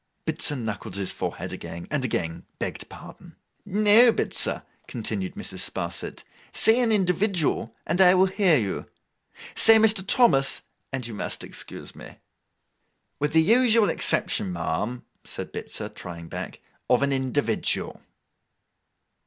Bitzer knuckled his forehead again, and again begged pardon. 'No, Bitzer,' continued Mrs. Sparsit, 'say an individual, and I will hear you; say Mr. Thomas, and you must excuse me.' 'With the usual exception, ma'am,' said Bitzer, trying back, 'of an individual.